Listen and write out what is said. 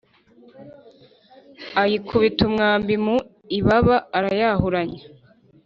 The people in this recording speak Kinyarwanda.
ayikubita umwambi mu ibaba, urayahuranya.